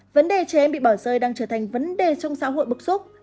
vấn đề trẻ em bị bỏ rơi đang trở thành vấn đề trong xã hội bức xúc